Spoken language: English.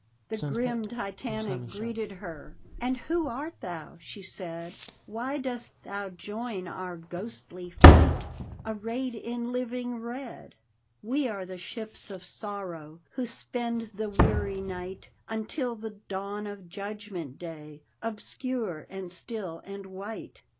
The grim Titanic greeted her. " And who art thou ?" she said ;" Why dost thou join our ghostly fleet Arrayed in living red? D,gt,, erihyGOOgle The Haunted Hour We are the ships of sorrow Who spend the weary night, Until the dawn of Judgment Day, Ohscurc and still and white."